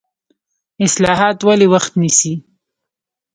اصلاحات ولې وخت نیسي؟